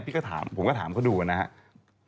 พี่ก็ถามผมก็ถามเขาดูนะครับ